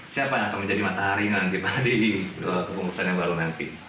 siapa yang akan menjadi matahari nanti pada di pembukaan yang baru nanti